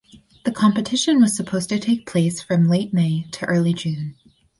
The competition was supposed to take place from late May to early June.